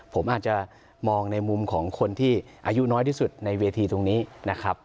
ผมอาจจะมองในมุมของคนที่อายุน้อยที่สุดในเวทีตรงนี้นะครับ